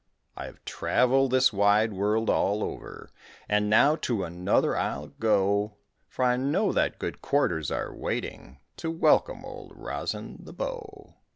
I have traveled this wide world all over, And now to another I'll go, For I know that good quarters are waiting To welcome Old Rosin the Bow.